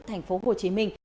thành phố hồ chí minh